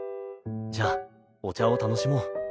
じゃあお茶を楽しもう。